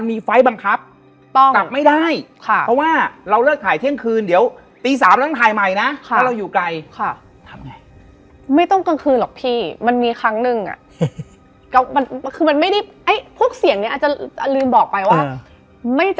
ไม่แจวแล้วแต่ค่อยรู้สึกว่าความมวลความไม่สบายตัว